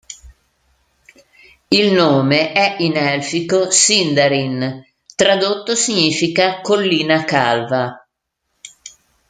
Il nome è in elfico Sindarin, tradotto significa "Collina Calva".